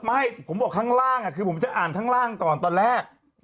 ไม่ผมบอกข้างล่างคือผมจะอ่านข้างล่างก่อนตอนแรก